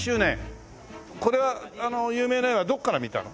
これは有名な絵はどこから見たの？